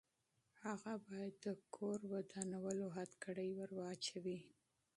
هغه باید د کور ودانولو هتکړۍ ورواچوي.